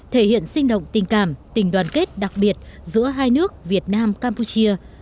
thể hiện sinh động tình cảm tình đoàn kết đặc biệt giữa hai nước việt nam campuchia